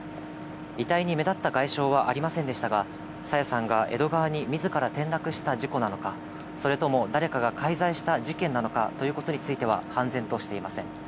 遺体に目立った外傷はありませんでしたが、朝芽さんが江戸川にみずから転落した事故なのか、それとも誰かが介在した事件なのかということについては、判然としていません。